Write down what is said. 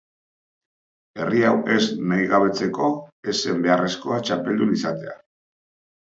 Herri hau ez nahigabetzeko, ez zen beharrezkoa txapeldun izatea.